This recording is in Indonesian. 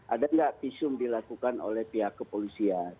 ada nggak visum dilakukan oleh pihak kepolisian